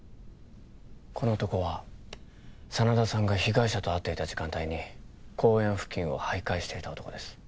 この男は真田さんが被害者と会っていた時間帯に公園付近を徘徊していた男です